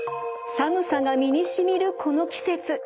寒さが身にしみるこの季節。